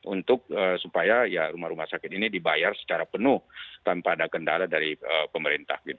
untuk supaya rumah rumah sakit ini dibayar secara penuh tanpa ada kendala dari pemerintah